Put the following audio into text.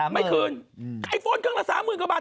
ไม่คืนไอ้โฟนเครื่องละ๓๐๐๐กว่าบาท